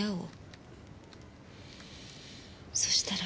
そしたら。